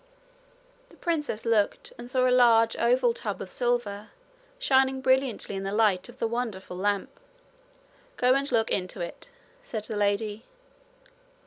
The princess looked, and saw a large oval tub of silver, shining brilliantly in the light of the wonderful lamp. 'Go and look into it,' said the lady.